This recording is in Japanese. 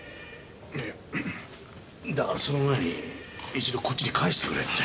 だからその前に一度こっちに返してくれって。